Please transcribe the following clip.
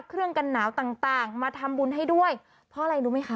เครื่องกันหนาวต่างต่างมาทำบุญให้ด้วยเพราะอะไรรู้ไหมคะ